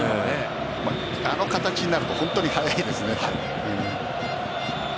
あの形になると本当に速いですね。